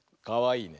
いいね。